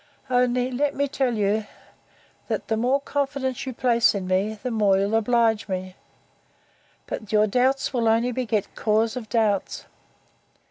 Only, let me tell you, that the more confidence you place in me, the more you'll oblige me: but your doubts will only beget cause of doubts.